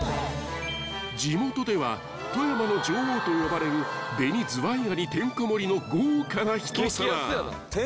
［地元では富山の女王と呼ばれるベニズワイガニてんこ盛りの豪華な一皿］